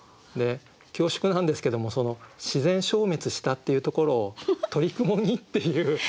恐縮なんですけども自然消滅したっていうところを「鳥雲に」っていう。